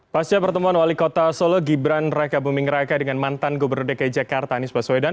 pasca pertemuan wali kota solo gibran raka buming raka dengan mantan gubernur dki jakarta anies baswedan